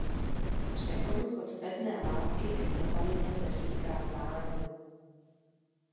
Přechodu od pevné látky ke kapalině se říká tání.